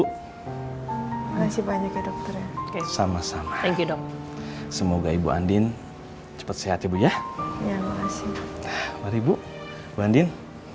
kasih banyak sama sama semoga ibu andin cepat sehat ya bu ya ibu ibu banding